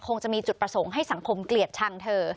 คงจะมีจุดประสงค์ให้สังคมเกลียดชังเธอ